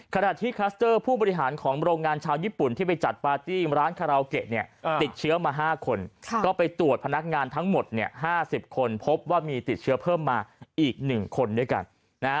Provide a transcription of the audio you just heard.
ขณะที่คลัสเตอร์ผู้บริหารของโรงงานชาวญี่ปุ่นที่ไปจัดปาร์ตี้ร้านคาราโอเกะเนี่ยติดเชื้อมา๕คนก็ไปตรวจพนักงานทั้งหมดเนี่ย๕๐คนพบว่ามีติดเชื้อเพิ่มมาอีก๑คนด้วยกันนะฮะ